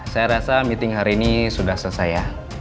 saya rasa meeting hari ini sudah selesai ya